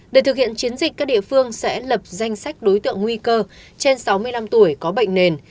để thực hiện chiến dịch các địa phương sẽ lập danh sách đối tượng nguy cơ trên sáu mươi năm tuổi có bệnh nền